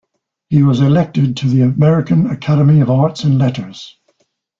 He was elected to the American Academy of Arts and Letters.